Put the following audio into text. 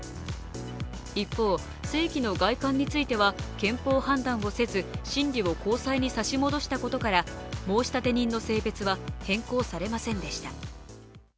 一方、性器の外観については憲法判断をせず、審理を高裁に差し戻したことから申立人の性別は変更されませんでした。